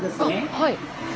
はい。